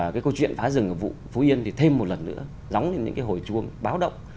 cái câu chuyện phá rừng ở vụ phú yên thì thêm một lần nữa gióng lên những cái hồi chuông báo động